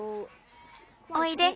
おいで。